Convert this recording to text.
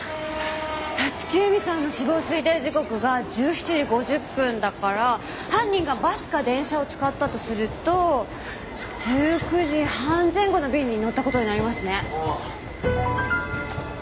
立木由美さんの死亡推定時刻が１７時５０分だから犯人がバスか電車を使ったとすると１９時半前後の便に乗った事になりますね。